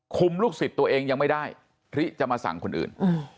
ลูกศิษย์ตัวเองยังไม่ได้พริจะมาสั่งคนอื่น